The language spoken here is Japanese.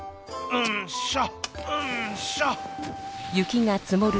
うんしょ！